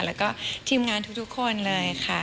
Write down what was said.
แล้วก็ทีมงานทุกคนเลยค่ะ